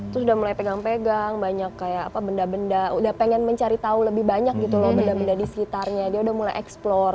terus udah mulai pegang pegang banyak kayak apa benda benda udah pengen mencari tahu lebih banyak gitu loh benda benda di sekitarnya dia udah mulai eksplor